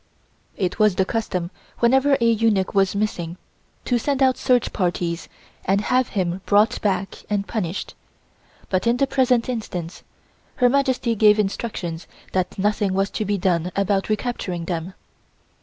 It was the custom whenever a eunuch was missing to send out search parties and have him brought back and punished, but in the present instance Her Majesty gave instructions that nothing was to be done about recapturing them.